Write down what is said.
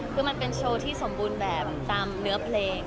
คือมันเป็นโชว์ที่สมบูรณ์แบบตามเนื้อเพลง